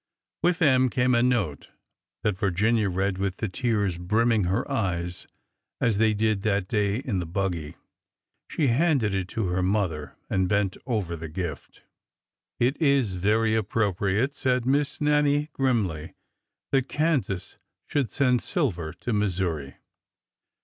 With them came a note that Virginia read with the tears brimming her eyes as they did that day in the buggy. She handed it to her mother and bent over the gift. It is very appropriate," said Miss Nannie, grimly, " that Kansas should send silver to Missouri